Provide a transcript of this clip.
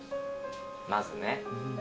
まずね。